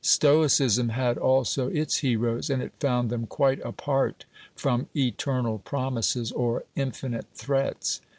Stoicism had also its heroes, and it found them quite apart from eternal promises or infinite threats.